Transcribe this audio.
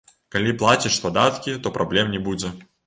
Калі плаціш падаткі, то праблем не будзе.